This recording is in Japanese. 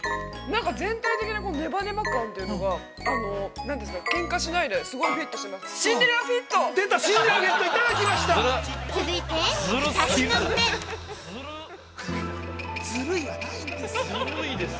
なんか全体的なネバネバ感というのが、けんかしないで、すごいフィットします。